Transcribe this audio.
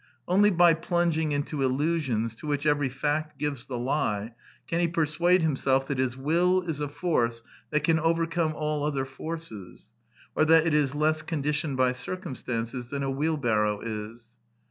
Only by plunging into illu sions to which every fact gives the lie can he persuade himself that his wiU is a force that can overcome all other forces, or that it is less condi tioned by circumstances than a wheelbarrow is.